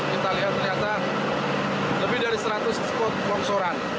kita lihat ternyata lebih dari seratus spot longsoran